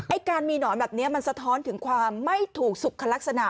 การมีหนอนแบบนี้มันสะท้อนถึงความไม่ถูกสุขลักษณะ